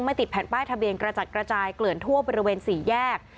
ติดแผ่นป้ายทะเบียนกระจัดกระจายเกลื่อนทั่วบริเวณสี่แยก